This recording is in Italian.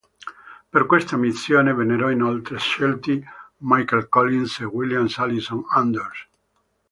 Per questa missione vennero inoltre scelti Michael Collins e William Alison Anders.